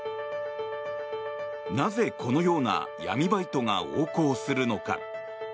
なぜ、このような闇バイトが横行するのか。